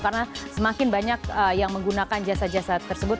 karena semakin banyak yang menggunakan jasa jasa tersebut